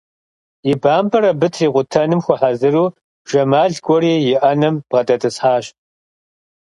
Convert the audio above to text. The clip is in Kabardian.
И бампӀэр абы трикъутэным хуэхьэзыру Жэмал кӀуэри и ӏэнэм бгъэдэтӀысхьащ.